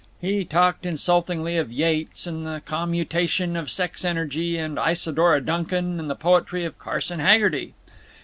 He talked insultingly of Yeats and the commutation of sex energy and Isadora Duncan and the poetry of Carson Haggerty.